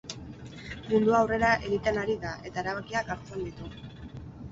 Mundua aurrera egiten ari da eta erabakiak hartzen ditu.